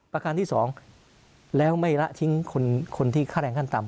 ประการที่๒แล้วไม่ละทิ้งคนที่ค่าแรงขั้นต่ำ